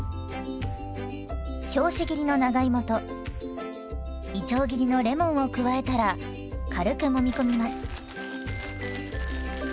拍子切りの長芋といちょう切りのレモンを加えたら軽くもみこみます。